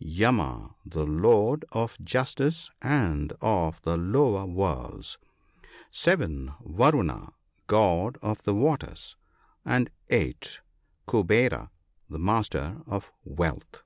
Yama, the lord of justice and of the lower worlds. 7. Varuna, God of the waters ; and 8. Kuvera, the master of wealth.